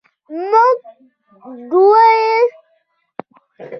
موږ دوه ډوله ځمکه په پام کې نیسو